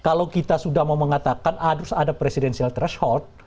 kalau kita sudah mau mengatakan harus ada presidensial threshold